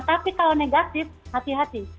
tapi kalau negatif hati hati